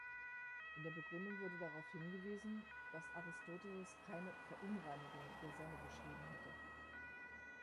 In der Begründung wurde darauf hingewiesen, dass Aristoteles keine „Verunreinigung“ der Sonne beschrieben hätte.